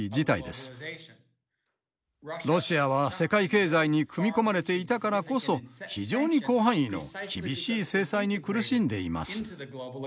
ロシアは世界経済に組み込まれていたからこそ非常に広範囲の厳しい制裁に苦しんでいます。